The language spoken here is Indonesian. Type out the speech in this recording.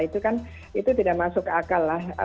itu kan itu tidak masuk akal lah